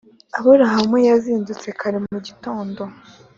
Aburahamu yazindutse kare mu gitondo.